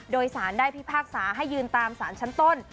โดยสารได้พิพากษาให้ยืนตามสารชั้นต้น